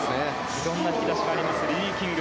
いろんな引き出しがあります、リリー・キング。